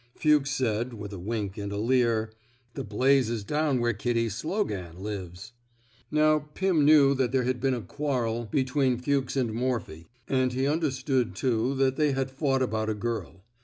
Fuchs said, with a wink and a leer: The blaze's down where Kitty Slogan lives." Now Pim knew that there had been a quarrel between Fuchs and Morphy: and he understood, too, that they had fought about a girl.